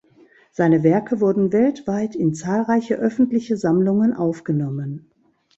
Seine Werke wurden weltweit in zahlreiche öffentliche Sammlungen aufgenommen.